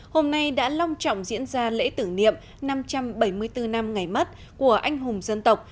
hôm nay đã long trọng diễn ra lễ tưởng niệm năm trăm bảy mươi bốn năm ngày mất của anh hùng dân tộc